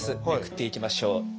めくっていきましょう。